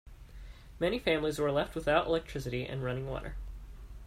Many families were left without electricity and running water.